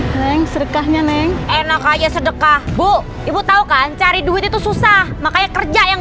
hai yang sedekahnya neng enak aja sedekah bu ibu tahu kan cari duit itu susah makanya kerja yang